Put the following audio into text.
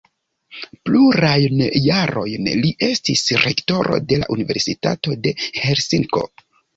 Plurajn jarojn li estis rektoro de la Universitato de Helsinko.